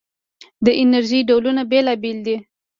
د انرژۍ ډولونه بېلابېل دي.